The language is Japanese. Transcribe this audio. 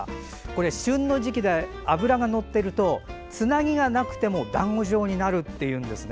これは旬の時期で脂がのっているとつなぎがなくても団子状になるっていうんです。